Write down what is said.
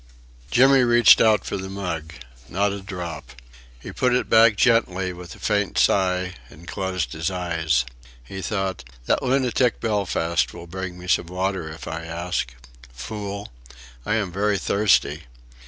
Jimmy reached out for the mug. Not a drop. He put it back gently with a faint sigh and closed his eyes. He thought: That lunatic Belfast will bring me some water if I ask. Fool. I am very thirsty....